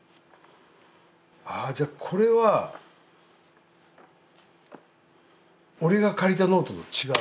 ああじゃあこれは俺が借りたノートと違う。